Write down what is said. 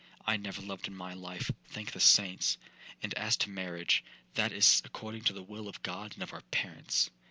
I never loved in my life, thank the saints!—and as to marriage, that is according to the will of God and of our parents.'